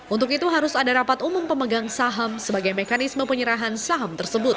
untuk itu harus ada rapat umum pemegang saham sebagai mekanisme penyerahan saham tersebut